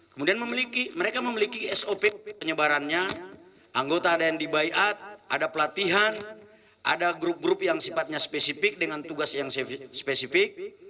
kemudian mereka memiliki sop penyebarannya anggota ada yang dibayat ada pelatihan ada grup grup yang sifatnya spesifik dengan tugas yang spesifik